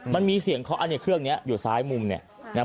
มันมีเสียงคอร์สอันในเครื่องเนี้ยอยู่ซ้ายมุมเนี้ยอ่า